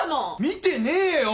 見てねえよ！